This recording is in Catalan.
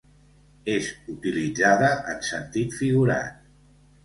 És utilitzada en sentit figurat.